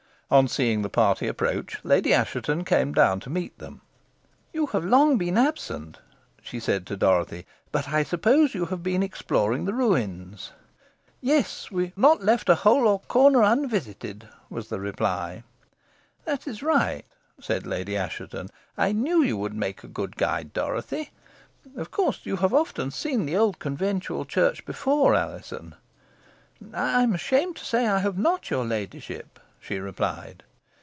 On seeing the party approach, Lady Assheton came down to meet them. "You have been long absent," she said to Dorothy; "but I suppose you have been exploring the ruins?" "Yes, we have not left a hole or corner unvisited," was the reply. "That is right," said Lady Assheton. "I knew you would make a good guide, Dorothy. Of course you have often seen the old conventual church before, Alizon?" "I am ashamed to say I have not, your ladyship," she replied.